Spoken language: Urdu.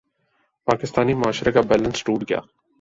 پاکستانی معاشرے کا بیلنس ٹوٹ گیا۔